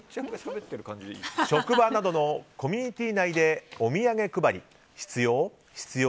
職場などのコミュニティー内でお土産配り必要？